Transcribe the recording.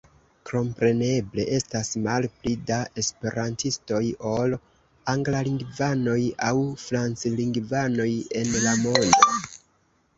Kompreneble estas malpli da esperantistoj ol anglalingvanoj aŭ franclingvanoj en la mondo.